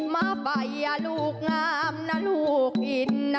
มาไฟลูกงามและลูกอิ่น